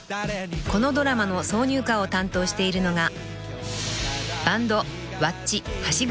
［このドラマの挿入歌を担当しているのが］